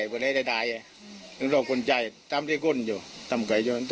มาร่องกั้นใจต้องที่กลิ่นอยู่ทำใกล้ยอด